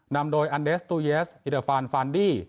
นำโดยอันเดสตูเยสอิเดอร์ฟานฟานดี้